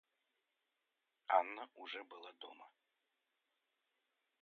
Анна уже была дома.